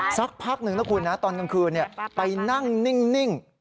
สักพักหนึ่งนะคุณนะตอนกลางคืนไปนั่งนิ่ง